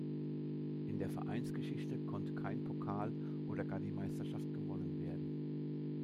In der Vereinsgeschichte konnte kein Pokal oder gar die Meisterschaft gewonnen werden.